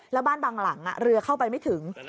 แล้วบ้านบางหลังเรือเข้าไปไม่ถึง